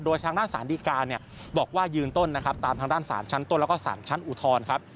โดยทางด้านสารดีการเนี่ยบอกว่ายืนต้นนะครับตามทางด้านศาลชั้นต้นแล้วก็สารชั้นอุทธรณ์ครับ